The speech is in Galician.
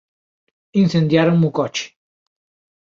Incendiáronme o coche.